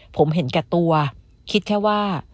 ผมเห็นแก่ตัวคิดแค่ว่า